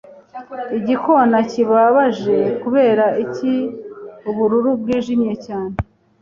Igikona kibabaje, kubera iki ubururu bwijimye cyane?